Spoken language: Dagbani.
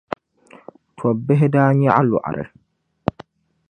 tɔbbihi daa nyaɣi lɔɣiri.